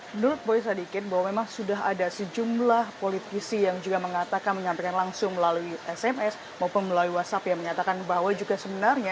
menurut boy sadikin bahwa memang sudah ada sejumlah politisi yang juga mengatakan menyampaikan langsung melalui sms maupun melalui whatsapp yang menyatakan bahwa juga sebenarnya